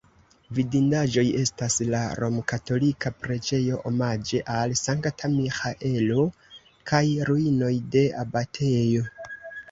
Vidindaĵoj estas la romkatolika preĝejo omaĝe al Sankta Miĥaelo kaj ruinoj de abatejo.